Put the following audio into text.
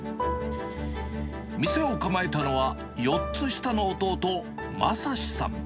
店を構えたのは、４つ下の弟、将司さん。